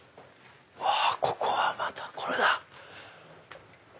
ここはまたこれだ！